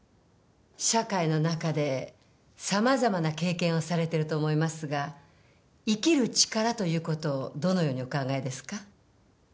社会の中で様々な経験をされてると思いますが生きる力ということをどのようにお考えですか？